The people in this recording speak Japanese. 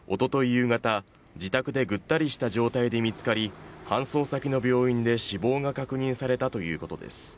夕方自宅でぐったりした状態で見つかり搬送先の病院で死亡が確認されたということです